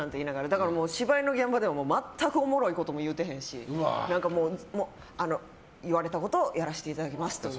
だから芝居の現場では全くおもろいことも言うてへんし、言われたことをやらせていただきますという。